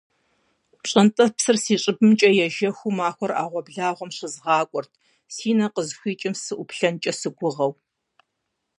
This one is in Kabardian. ПщӀэнтӀэпсыр си щӀыбымкӀэ ежэхыу махуэр а Ӏэгъуэблагъуэм щызгъакӀуэрт, си нэ къызыхуикӀым сыӀуплъэнкӀэ сыгугъэу.